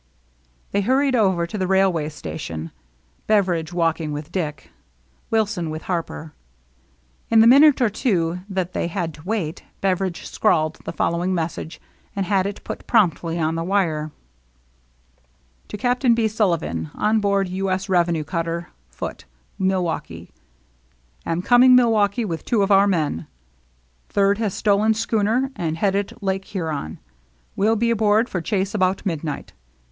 They hurried over to the railway station, Beveridge walking with Dick, Wilson with Harper. In the minute or two that they had to wait, Beveridge scrawled the following THE EVENING OF THE SAME DAY 225 message, and had it put promptly on the wire :—" To Captain B. Sullivan, on board U.S. Revenue Cutter Footey Mil waukee. "Am coming Milwaukee with two of our men. Third has stolen schooner and headed Lake Huron. Will be aboard for chase about mid night.